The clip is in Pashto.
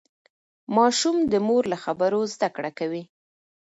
ماشوم د مور له خبرو زده کړه کوي.